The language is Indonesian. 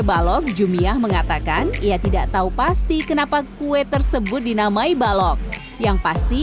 balok jumiah mengatakan ia tidak tahu pasti kenapa kue tersebut dinamai balok yang pasti